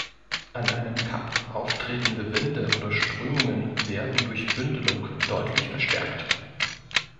An einem Kap auftreffende Winde oder Strömungen werden durch Bündelung deutlich verstärkt.